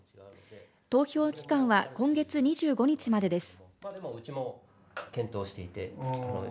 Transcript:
投票期間は今月２５日までです。